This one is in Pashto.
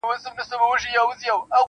د غوایانو په ښکرونو یې وهلي -